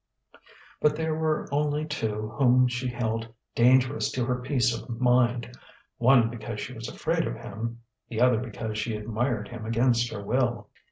But there were only two whom she held dangerous to her peace of mind, one because she was afraid of him, the other because she admired him against her will.